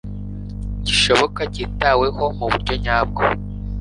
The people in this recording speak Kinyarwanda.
gishoboka kitaweho mu buryo nyabwo